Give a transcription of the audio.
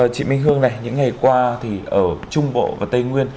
chị minh hương này những ngày qua thì ở trung bộ và tây nguyên